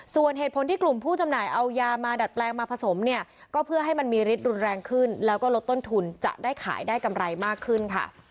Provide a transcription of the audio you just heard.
ส่วนเหตุผลที่กลุ่มผู้จำหน่ายเอายามาดัดแปลงมาผสมเนี่ยก็เพื่อให้มันมีฤทธิรุนแรงขึ้นแล้วก็ลดต้นทุนจะได้ขายได้กำไรมากขึ้นค่ะ